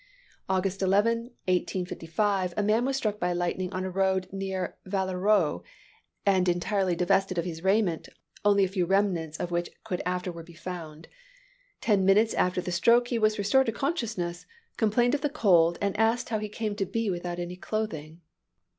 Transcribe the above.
"August 11, 1855, a man was struck by lightning on a road near Vallerois, and entirely divested of his raiment, only a few remnants of which could afterwards be found. Ten minutes after the stroke he was restored to consciousness, complained of the cold, and asked how he came to be without any clothing.